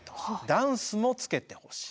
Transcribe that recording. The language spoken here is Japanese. ダンスもつけてほしい。